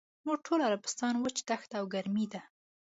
نور ټول عربستان وچه دښته او ګرمي ده.